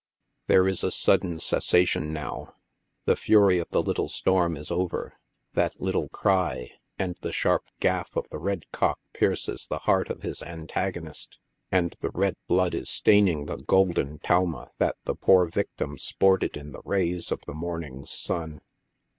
There is a sudden cessation now ; the fury of the little storm is over. That little cry, and the sharp gaff of the red cock pierces the heart of hi3 antagonist, and the red blood is staining the golden talma that the poor victim sported in the rays of the morning's sun.